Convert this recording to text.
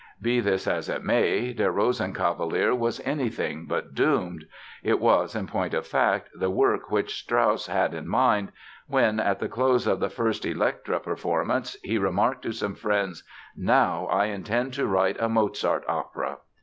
Be this as it may, Der Rosenkavalier was anything but "doomed". It was, in point of fact, the work which Strauss had in mind when, at the close of the first Elektra performance he remarked to some friends: "Now I intend to write a Mozart opera!"